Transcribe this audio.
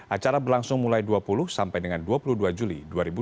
acara berlangsung mulai dua puluh sampai dengan dua puluh dua juli dua ribu dua puluh